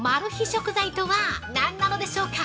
食材とは、何なのでしょうか？